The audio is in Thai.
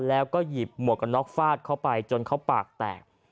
แล้วก็หยิบหมวกกันน็อกฟาดเข้าไปจนเขาปากแตก